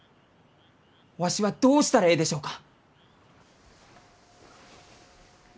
わしはどうしたらえいでしょうか？